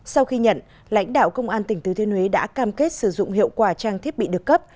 sau khi nhận lãnh đạo công an tỉnh thứ thiên huế đã cam kết sử dụng hiệu quả trang thiết bị được cấp